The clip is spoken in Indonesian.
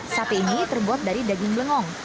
sapi ini terbuat dari daging blengong